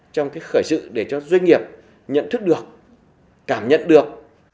trong cái khởi sự để cho doanh nghiệp nhận thức được cảm nhận được